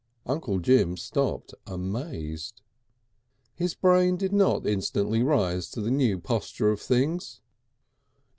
Uncle Jim stopped amazed. His brain did not instantly rise to the new posture of things.